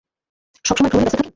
সবসময় ভ্রমণে ব্যাস্ত থাকেন?